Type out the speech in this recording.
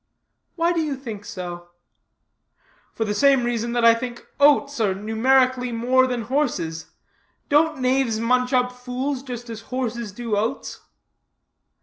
"Why do you think so?" "For the same reason that I think oats are numerically more than horses. Don't knaves munch up fools just as horses do oats?"